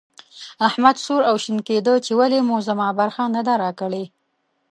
احمد سور او شين کېدی چې ولې مو زما برخه نه ده راکړې.